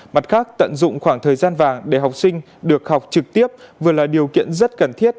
mặt khác tận dụng khoảng thời gian vàng để học sinh được học trực tiếp vừa là điều kiện rất cần thiết